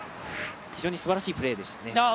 非常にすばらしいプレーでしたね。